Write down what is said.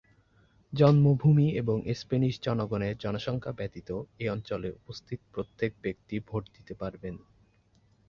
জন্মভূমি এবং স্প্যানিশ জনগণের জনসংখ্যা ব্যতীত, এই অঞ্চলে উপস্থিত প্রত্যেক ব্যক্তি ভোট দিতে পারবেন।